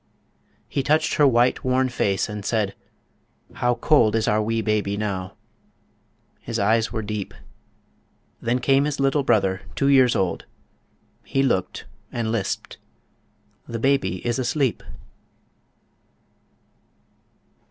He touched her white, worn face, and said, "How cold Is our wee baby now." ... His eyes were deep ... Then came his little brother, two years old, He looked, and lisped, "The baby is asleep."